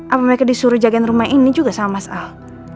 apa mereka disuruh jagain rumah ini juga sama mas al